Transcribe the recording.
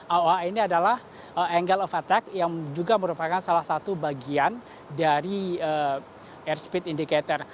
aoa ini adalah angle of attack yang juga merupakan salah satu bagian dari airspeed indicator